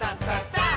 さあ！